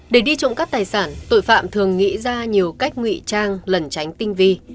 để đi trộm cắp tài sản tội phạm thường nghĩ ra nhiều cách ngụy trang lần tránh tinh vi